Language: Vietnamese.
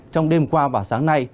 trong đêm qua và sáng nay